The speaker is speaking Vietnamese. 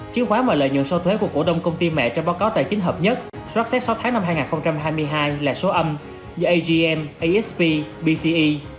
chứng khoán thuộc diện kiểm soát có lợi nhuận trong báo cáo tài chính hợp nhất soát xét sáu tháng năm hai nghìn hai mươi hai là số âm như agm asp bce